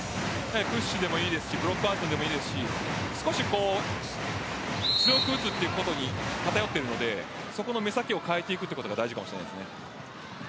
プッシュでもブロックアウトでもいいですし少し強く打つことに偏っているのでそこの目先を変えていくことが大事かもしれないですね。